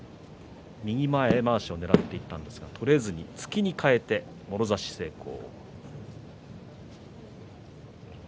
右前まわしをねらっていったんですが取れずに突きに変えてもろ差し成功。